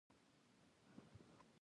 فریدګل هغه وخت د جنګ میدان نه و لیدلی